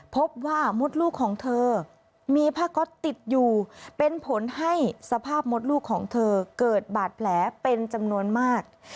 พบว่ามดลูกของเธอมีผ้าก๊อตติดอยู่เป็นผลให้สภาพมดลูกของเธอเกิดบาดแผลเป็นจำนวนมาก